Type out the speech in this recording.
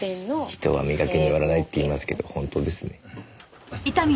人は見かけによらないって言いますけど本当ですね。